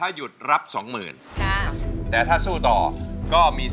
อันดับนี้เป็นแบบนี้